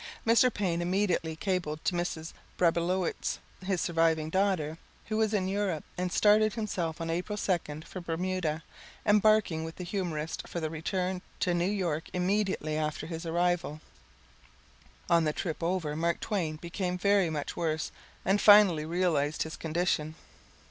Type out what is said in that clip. Mr. Paine immediately cabled to Mrs. Babrilowitsch, his surviving daughter, who was in Europe, and started himself on April 2 for Bermuda, embarking with the humorist for the return to New York immediately after his arrival. On the trip over Mark Twain became very much worse and finally realized his condition.